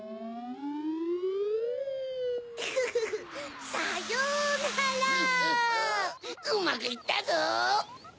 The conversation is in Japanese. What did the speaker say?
うまくいったぞ！